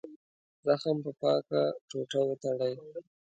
زخم په پاکه ټوټه وتړئ.